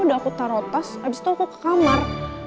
udah aku taruh tas abis itu aku ke kamar